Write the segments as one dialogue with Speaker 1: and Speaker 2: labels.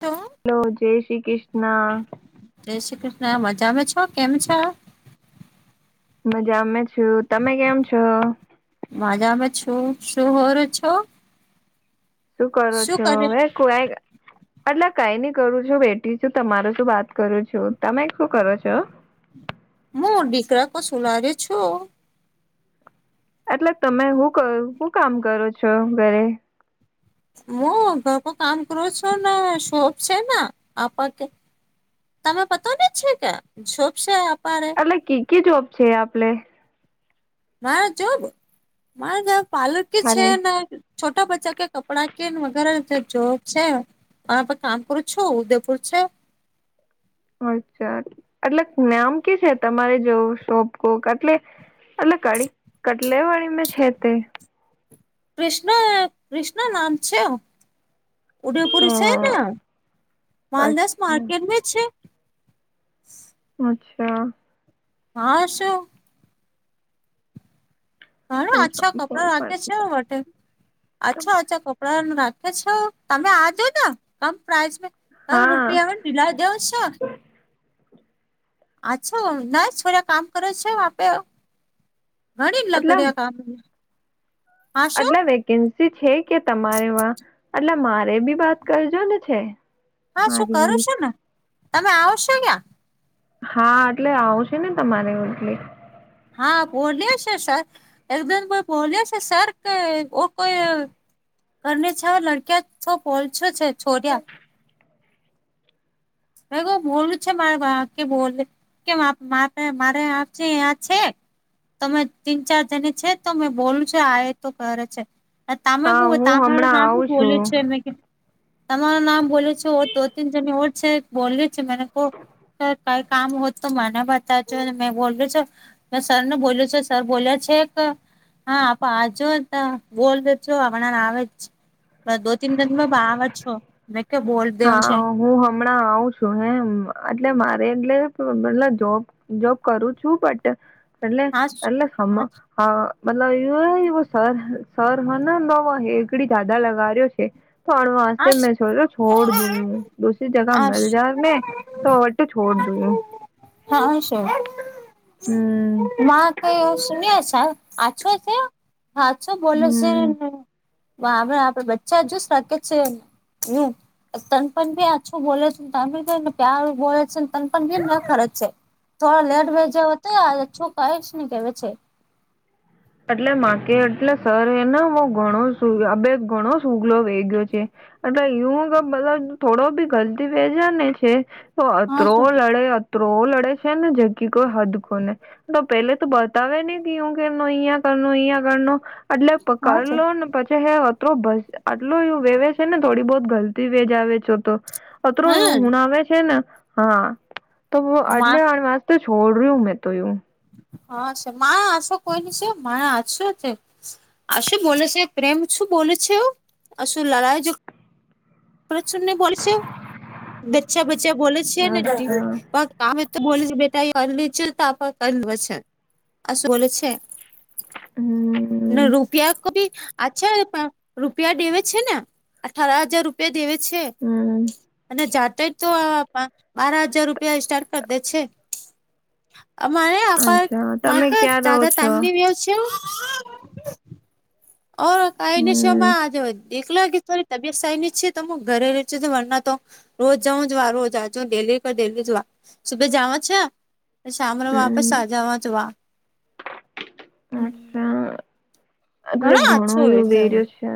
Speaker 1: લો
Speaker 2: hello જય શ્રી કિષના.
Speaker 1: જય શ્રી કિષ્ના. મજામે છો કેમ છો?
Speaker 2: મજામે છું. તમે કેમ છો?
Speaker 1: મજામે છું. શું હોર છો?
Speaker 2: શું કરો છો. વે કુડાઈ એટલે કઈ નહી કરું છું બેઠી છું. તમારું શું વાત કરું છું. તમે શું કરો છો?
Speaker 1: હું દીકરા કો સુલારે છું.
Speaker 2: એટલે તમે હું કર હું કામ કરો છો ઘરે?
Speaker 1: હું ઘર કો કામ કરું છું ને શોપ છે ન. આપા કે તમે પતા ને છે કે સોપશે અપારે
Speaker 2: એટલે કે ક જોબ છે આપે
Speaker 1: મારા જોબ મારા પાલક છે
Speaker 2: થારે
Speaker 1: ને છોટા બચ્ચા કે કપડા કેન વગેરે જે જોબ છે. હ આપ કામ કરું છો ઉદયપુર છે.
Speaker 2: અચ્છા એટલે નામ કે છે તમારે જોવું શોપકોક એટલે એટ ક કટલે વાળી મે છે તે
Speaker 1: ક્રિષ્ના ક્રિષ્ના નામ છે. ઉડયપુર
Speaker 2: અ
Speaker 1: છે માલદાસ
Speaker 2: અચ્છા
Speaker 1: માર્કેટ છે.
Speaker 2: અચ્છા.
Speaker 1: હા શું. હારો આછા કપડા
Speaker 2: અચ્છા
Speaker 1: રાખે છે વટે અચ્છા અચ્છા કપડા રાખે છો તમે આ જો ના કમ પ્રાઇસ મેં હમ
Speaker 2: હા
Speaker 1: રૂપિયા હોઈ દિલાય દેવસો અચ્છો ના છોડા કામ કરો છો વા પે મળીન લકડીયા કામ હા શું
Speaker 2: અટલે વેકેન્સી છે કે તમારે વા એટલે મારે બી વાત કરજો ને છે.
Speaker 1: હા શું
Speaker 2: મારી
Speaker 1: કરું
Speaker 2: બી
Speaker 1: સુ ને તમે આવશો ક્યાં
Speaker 2: હા એટલે આવશે ને તમારે ઓટલે
Speaker 1: હા બોલીયો છે સર એમનેમ પણ બોલ્યો છે સર કે ઉનકો યે ઘર ની છ લડક્યા છ પોલછો છે છોડ્યા. મેં કુ બોલું છે મારા બા કે બોલે કે માં માં તે મારે આપ ચે આ છે. તમે તીન ચાર જની છે તો મેં બોલું છો આ એ તો કરે છે. તમે
Speaker 2: હા
Speaker 1: બૂ
Speaker 2: હું
Speaker 1: તમારું
Speaker 2: હમણાં
Speaker 1: નામ બ
Speaker 2: આવું
Speaker 1: બોલયું
Speaker 2: છું
Speaker 1: છે મેં તમારું નામ બોલુ છું દો તીન જણી ઓર છે. બોલયુ છું મને કો સર કઈ કામ હોય તો મને બતાવજો અને મેં બોલું છું મે સરને બોલું છું સર બોલ્યા છેક હા પાજો અતા બોલ દે છું અમણાંન આવે છે. બ દો તીન દિન મે બાર અજ છું મેં ક્યા બોલ દેવું
Speaker 2: હા
Speaker 1: છે
Speaker 2: હું હમણાં આવું છું હ એટલે મારે એટલે પેલા જોબ જોબ કરું છું બટ એટલે
Speaker 1: હા
Speaker 2: એટલે હમ હા મતલબ એ વો સર સર બને તો હેગડી દાદા લગાડ્યો કે પણ હોતે મેં
Speaker 1: હા
Speaker 2: જોયું છોડ દુંયું દુસરી જગા
Speaker 1: હા
Speaker 2: મિલ જામે તો અઠે છોડ દુયુ
Speaker 1: હા સે
Speaker 2: હમમ
Speaker 1: ના કઈ સુન્યો છે આછો થ્યો હા છું બોલો સે
Speaker 2: હમ
Speaker 1: ને આપ આપડે બચ્ચા જૂસ રાખે છેે નું તનપન બી આછું બોલે છે તમીન પ્યાર બોલે છેને તનપન બીન ના ખરજ છે. થોડો લેટ ભે જા હોતો આ છોક ને કે વ છે.
Speaker 2: એટલે માકે એટલે સર એને હ ઘણો આ બે ઘણો સુુગલો વેટ્યો છે. એટલે યુતો બધા થોડો બી ગલતી વેજા ની છે
Speaker 1: હા
Speaker 2: અત્રો
Speaker 1: શું
Speaker 2: લડે આ ત્રો લડે છે ને જે કી કોઈ હદકો ન તો પેલે તો બતાવે ને કયું કે અહિયાં અહીં આગળ નો એટલે
Speaker 1: હા
Speaker 2: કર
Speaker 1: છે
Speaker 2: લો ને પછી હે તો બસ આટલ એવું વેવે છે ને થોડી બહત ગલતી વેજ આવેે છે તો અત્ર એવું
Speaker 1: હમ
Speaker 2: હુંણ આવે છે ને હા તો આટલે
Speaker 1: માં
Speaker 2: તો છોડ ર્યું હું મેં તો યુ
Speaker 1: હા છે, મા આસો કોઈ નની છે મારે હાચુ તે આશું બોલે છે પ્રેમ શું બોલે છે, એવું આશુ લલાય જો પ્રચરને બોલે છે બચ્ચા બચ્ચા બોલે છેને,
Speaker 2: અચ્છા
Speaker 1: બા કામે તો બોલે છે, બેટા એ અન લ છે તો કરી લેચ છે આસું બ છે. ને
Speaker 2: હમ
Speaker 1: રૂપિયા કો ભી અચ્છા એ પણ રૂપિયા ડેવે છેને, અઠાર હજાર રૂપ તે દેવે છે,
Speaker 2: હમ
Speaker 1: અને જાતે જ તો આ બા બાર હજાર રૂપિયા સ્ટાર્ટ કર દે છે. અમારે આપાર
Speaker 2: અચ્છા તમે
Speaker 1: માટે
Speaker 2: ક્યાં રહો
Speaker 1: જ્યાદા
Speaker 2: છો
Speaker 1: ટાઈમ ની વેવ છે. ઓર કઈને શો
Speaker 2: હમ
Speaker 1: માં આ જોઈ એકલા કે થોડી તબયત સારી ની છે તો હ ઘરે રજું વરના તો રોજ જાઉં જોવા રોજ આજ દેહી કો દેહી જોવા સુભે જવા છે. શામનો વાપસ આ
Speaker 2: હમ
Speaker 1: જાવા જ વા હ
Speaker 2: અચ્છા એટલે
Speaker 1: આછો
Speaker 2: ઘણું
Speaker 1: હોય
Speaker 2: એવું વેર્યો છે,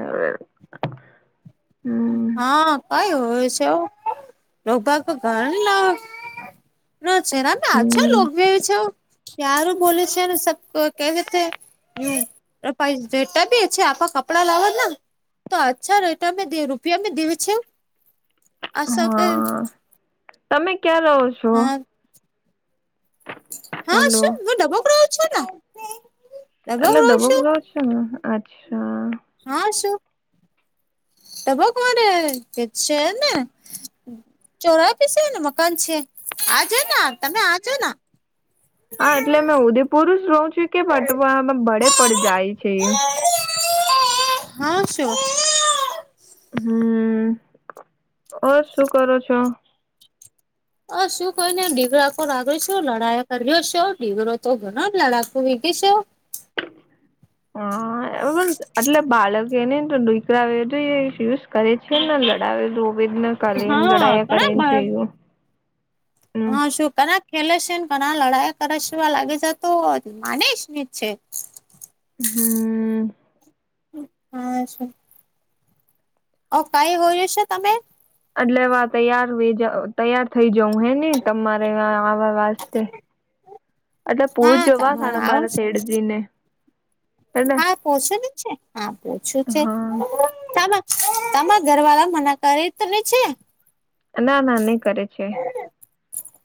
Speaker 2: હમ
Speaker 1: હા કઈ હોય છે, રોભા ઘર લ ન છેરામ છો
Speaker 2: હમ
Speaker 1: લોગભ છે, ક્યારું બોલે છેને સબ કે હ બેટા બી છે, આપવા કપડા લાવવા તો અચ્છા રેટા રૂપિયા મે દ છે. અ કઈ
Speaker 2: હા તમે ક્યાં રહો છો
Speaker 1: હા હા
Speaker 2: હલો
Speaker 1: શું હ ડબ્બો કરાવ છો ને ડબક
Speaker 2: એટલે
Speaker 1: રહું
Speaker 2: દબો
Speaker 1: છું
Speaker 2: ખોલાવ છેને, અચ્છા
Speaker 1: હા શું તભ કોરે કે છેને. ચોરા પીસેને મકાન છે, આજ તમે આજોને
Speaker 2: હા એટલે મેં ઉદેપુર જ રહ છું કે ફટવામાં ભડે પણ જાય છે.
Speaker 1: હા શો
Speaker 2: હમ ઓર શું કરો છો.
Speaker 1: અ શું કને ડીગરા કો લાગ્યો છો લડાયા કર્યો છો ડીગરો તો ઘણો જ લડાક વીગીશ
Speaker 2: હા બરોબર એટલે બાળક એનેને તો દીકરાધ એ યુઝ કરે છેને, લડાવે દુ વેદના કરન
Speaker 1: હા
Speaker 2: લડાાયયા
Speaker 1: ઘણા
Speaker 2: કરન છે.
Speaker 1: બાર
Speaker 2: હમ
Speaker 1: હા શોક ના ખેલે છે ને ઘણા લડાઈ કરેશેવા લાગે છે, તો માનીશ ને છે.
Speaker 2: હમ્મ
Speaker 1: હા શુ ઓ કઈ હોય હશે તમે
Speaker 2: એટલે વા તૈયાર વ તૈયાર થઇ જઉં હે ને તમારે આવા વાસ્તે એટલે પૂછ
Speaker 1: હા
Speaker 2: જોવા
Speaker 1: તમારે
Speaker 2: સારા
Speaker 1: આવ
Speaker 2: મારા શેઠજીને એટલે
Speaker 1: હા પોછો છે હા પોછુ છે,
Speaker 2: હા
Speaker 1: તમા તમારા ઘરવાળા મના કરે તો ને છે.
Speaker 2: ના ના ન કરે છે,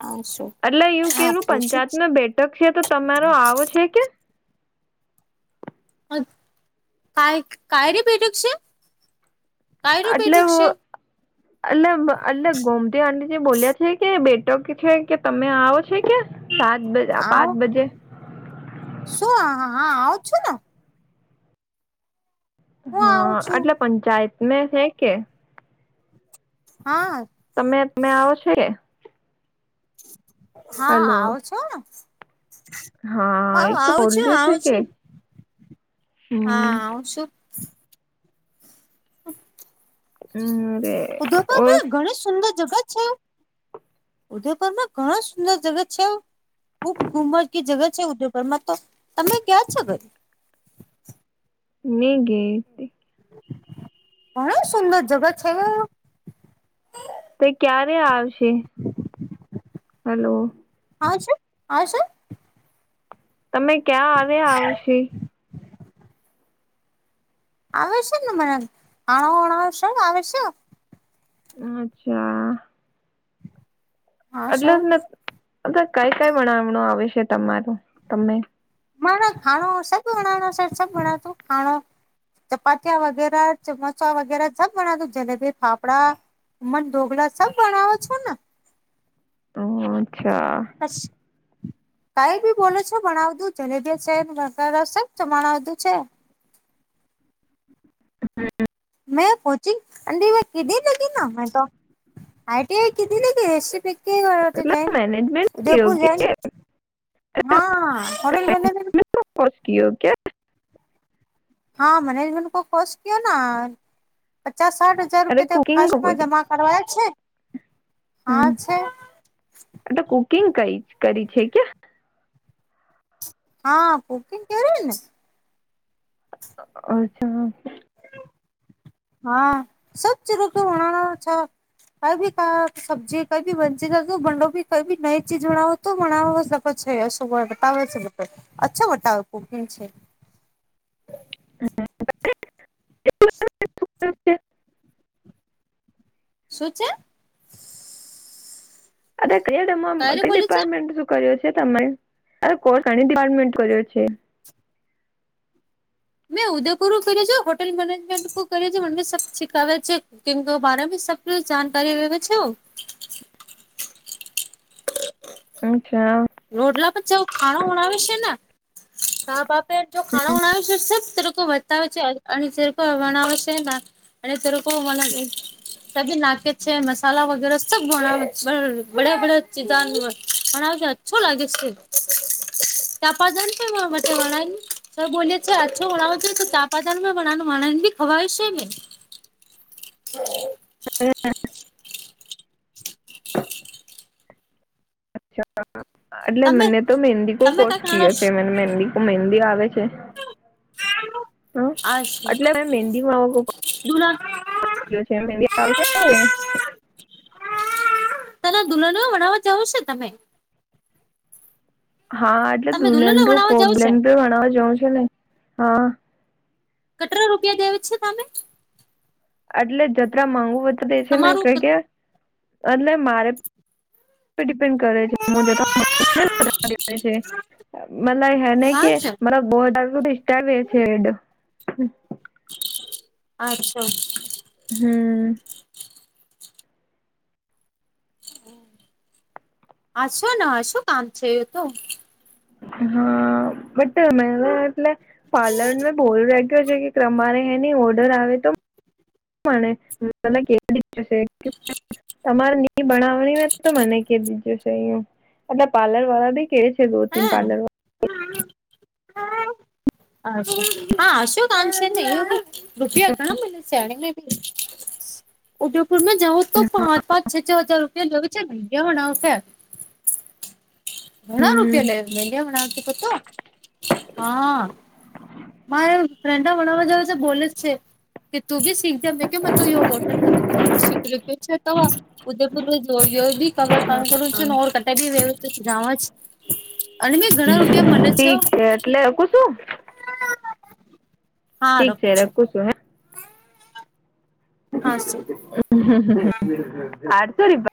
Speaker 1: આ શું
Speaker 2: એટલે યું
Speaker 1: હા
Speaker 2: કેુ
Speaker 1: પૂછું
Speaker 2: પંચાયત ન બેટ કટક છે તો તમારો આવો છે, કે
Speaker 1: ક કાય રે પેટક છે. કાયરું
Speaker 2: એટલે
Speaker 1: બેઠક
Speaker 2: હુ
Speaker 1: છે
Speaker 2: એટ અટલે ગોમતી આંટી જે બોલ્યા છે કે બેટો કે છે, કે તમે આવો છે કે સાત બજ
Speaker 1: આવ
Speaker 2: પાંચ બજે
Speaker 1: શું હા આવું છુને હું આવું
Speaker 2: હા
Speaker 1: છું
Speaker 2: એટલે પંચાયત ને છે, કે
Speaker 1: હા.
Speaker 2: તમે તમે આવો છો.
Speaker 1: હા,
Speaker 2: હલો
Speaker 1: આવું છું. હા,
Speaker 2: એજ તો
Speaker 1: આવું છું,
Speaker 2: બોલ્યું છે
Speaker 1: આવું
Speaker 2: કે
Speaker 1: છું, હા,
Speaker 2: હમ
Speaker 1: આવું છું. હમ.
Speaker 2: હમ.
Speaker 1: [unintelligible] ઘણી સુંદર જગ છે. ઉદયપુરમાં ઘણા સુંદર જગ છે. ખુબ ગુમર જગ છે ઉદયપુરમાં તો તમે ક્યાં છે [unintelligible]
Speaker 2: [unintelligible]
Speaker 1: ઘણી સુંદર જગા છે
Speaker 2: તે ક્યારે આવશે હલો.
Speaker 1: આવે છે, આવે છે.
Speaker 2: તમે ક્યાં આવ્યા આવશે.
Speaker 1: [unintelligible]
Speaker 2: અચ્છા.
Speaker 1: હા સર
Speaker 2: એટલે કઈ કઈ બનાવું આવે છે તમારું તને.
Speaker 1: મને ખાણો સબ [unintelligible] ખાણો ચપાતિયા વગેરે સમોસા વગેરે સબ બણા [unintelligible] જલેબી ફાફડા મન ઢોગળા સબ બણાવો છો ને.
Speaker 2: ઓ અચ્છા.
Speaker 1: [inaudible] કઈ બી બોલો છો બણાવું જલેબી છે [unintelligible] છે મેં પછી [unintelligible] મેં તો આઈટી કધી ને કે રેસીપી
Speaker 2: એટલે મેનેજમેન્ટ
Speaker 1: [unintelligible]
Speaker 2: કયો
Speaker 1: ઉદયપુર
Speaker 2: કે
Speaker 1: જઈ હા હોટલ બંધા
Speaker 2: કોસ કયો [unintelligible]
Speaker 1: હા મેનેજમેન્ટ કોસ કીયોના ના પચાસ સાઠ હ હજાર
Speaker 2: અરે
Speaker 1: રૂપિયા
Speaker 2: કુકિંગ
Speaker 1: ફસ્ટમાં જમા કરવાયા છે, હા છે.
Speaker 2: આટ કુકિંગ ક કરી છે કે.
Speaker 1: હા, કુકિંગ કરીને.
Speaker 2: અચ્છા.
Speaker 1: હા સબ ચર [unintelligible] કઈ ભી કા સબ્જીી કઈ ભી મંચ બંડો કઈ નઈ ચીજ બનાવો [unintelligible] બતાવે છે અછો કુકિંગ છે.
Speaker 2: [inaudible]
Speaker 1: શું છે.
Speaker 2: અરે [unintelligible] કર્યો
Speaker 1: ક્યારે બોલ્યું છે
Speaker 2: છે તમારે અરે કોર ડિપાર્ટમેન્ટ કર્યો છે.
Speaker 1: મેં ઉદયપુરું કર્યું છે હોટેલ મેનેજમેન્ટું કર્યું છે મને સબ શીખાવે છે. કેમ બાર સબ જાનકારી લેવે છો.
Speaker 2: અચ્છા.
Speaker 1: રોટલા પણ જેવ ખાણો બણાવે છે ને તાર બાપે જો ખાણો [unintelligible] [unintelligible] બતાવે છે અને જે વર્ણવે છે. અને તે લોકો [unintelligible] નાકે છે મસાલા વગેરે સબ બનાવે. [unintelligible] [unintelligible] બોલી છે અછો વણાવો છો તો તાપાદમા [unintelligible] ખવાય શેને. [inaudible]
Speaker 2: [inaudible] [unintelligible] એટલે
Speaker 1: તમે
Speaker 2: મને તો મહેંદી કો
Speaker 1: તમે
Speaker 2: કોર્સ
Speaker 1: કા
Speaker 2: કયો
Speaker 1: ખાણા
Speaker 2: છે મને મંદી કો મહેંદી આવે છે. હા
Speaker 1: આ છે
Speaker 2: એટલે મેંદી માં હું
Speaker 1: [unintelligible]
Speaker 2: [unintelligible]
Speaker 1: તના દુલ્હનો ભનાવા જવું છે તમે.
Speaker 2: હા એટલે
Speaker 1: તમે
Speaker 2: દુલહન
Speaker 1: દુલ્હનને
Speaker 2: [unintelligible]
Speaker 1: ભણાવવા જાવ
Speaker 2: કોલેડ
Speaker 1: છે
Speaker 2: ભણાવવા જવું છે ને હા.
Speaker 1: કટરા રૂપિયા દેવ છે તમે?
Speaker 2: એટલે જતરા માંગુ વતા દે છે ને
Speaker 1: તમારું
Speaker 2: કંઈક એ એટલે મારે ડીપેન્ડ કરે છે [unintelligible] મતલબ હેને
Speaker 1: હા
Speaker 2: કે
Speaker 1: છે
Speaker 2: મતબ [unintelligible]
Speaker 1: અચછો.
Speaker 2: હમ
Speaker 1: [unintelligible] હછાને શું કામ છે એ તો
Speaker 2: હા બટ એટલે પાર્લર મે બોલ કે તમારે એની ઓર્ડર આવે તો મળ કેવાશે તમારે નહી બનાવવાની તો મને ક દીજું છે એટલે પાર્લર વાળા બી કે છે દો તીન
Speaker 1: હે
Speaker 2: પાર્લર
Speaker 1: અશો હા શું કામ શે તે એવ રૂપિયા ઘણા મલે છે અને મેં ઉદયપુમાં જાઉ તો
Speaker 2: વાળા
Speaker 1: પાંચ પાંચ છ છ હજાર રૂપિયા છે મંયા હોના ઉ [unintelligible] ઘણા રૂપિયા
Speaker 2: હમ
Speaker 1: લે મે લ ઘણા રૂપ પ તો હા. ફ્રેન ફ્રેન્ડ બનાવવા જવે છે બોલે જ છે. કે તું બી શીખજે મેં કે મને હોટલ મનેજમેન્ટ શીખ કે છે તો ઉદયપુર જો બી ક કામ કરું છ ઓર કટ બી વ્યવસ્થિત ગ જ
Speaker 2: ઠીક છે એટલે કું શું
Speaker 1: હારો
Speaker 2: ઠીક છે
Speaker 1: પૂછો
Speaker 2: રખું છું હે.
Speaker 1: હસું.
Speaker 2: [unintelligible]